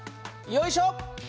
よいしょ。